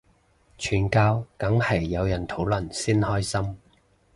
傳教梗係有人討論先開心